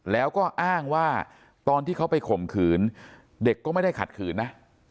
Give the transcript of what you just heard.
แล้วก็อ้างว่าตอนที่เขาไปข่มขืนเด็กก็ไม่ได้ขัดขืนนะ